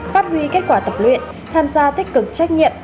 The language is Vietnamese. phát huy kết quả tập luyện tham gia tích cực trách nhiệm